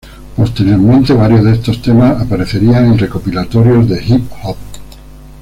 Posteriormente varios de estos temas aparecerían en recopilatorios de hip hop.